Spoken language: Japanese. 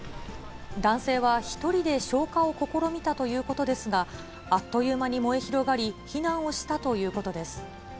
男性は１人で消火を試みたということですが、あっという間に燃え広がり、避難をしたということです。